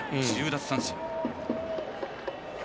１０奪三振。